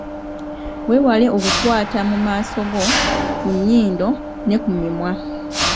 Weewale okukwata mu maaso go, ku nnyindo ne ku mimwa.